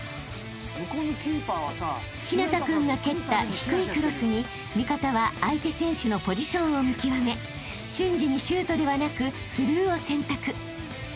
［陽楽君が蹴った低いクロスに味方は相手選手のポジションを見極め瞬時にシュートではなくスルーを選択］